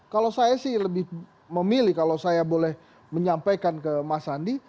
kalau saya sih lebih memilih kalau saya boleh menyampaikan ke mas andi